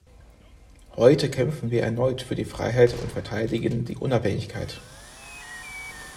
Heute kämpfen wir erneut für die Freiheit und verteidigen die Unabhängigkeit.